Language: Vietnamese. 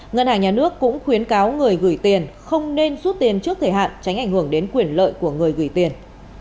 ngân hàng nhà nước cũng khuyến cáo người gửi tiền không nên rút tiền trước thời hạn tránh ảnh hưởng đến quyền lợi của người gửi tiền